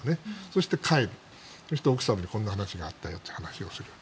そして奥様に、こんな話があったよという話をする。